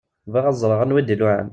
Bɣiɣ ad ẓṛeɣ anwa i d-iluɛan.